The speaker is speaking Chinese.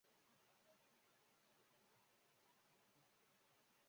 死亡轮才废止。